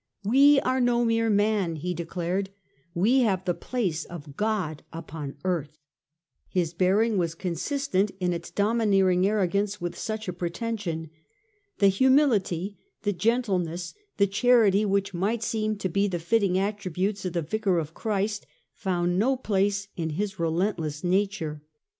" We are no mere man," he declared ;" we have the place of God upon earth." His bearing was consistent in its domineering arrogance with such a pretension. The humility, the gentleness, the charity, which might seem to be the fitting attributes of the Vicar of Christ, found no place in his relentless nature.